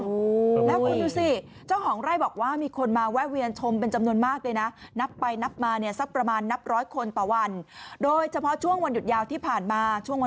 แล้วคุณดูสิเจ้าหองไร่บอกว่ามีคนมาแวะเวียนชมเป็นจำนวนมากเลยนะ